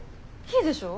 いいでしょ？